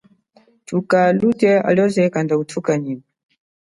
Thuka luthe halioze kanda uthuka nyima.